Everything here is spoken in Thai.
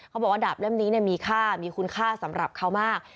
เขาบอกว่าดาบเล่มนี้มีค่ามีคุณค่าสำหรับเขามาก